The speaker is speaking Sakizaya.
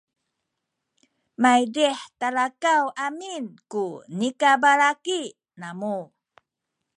maydih talakaw amin ku nikabalaki namu